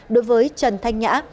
đối với trần thanh nhã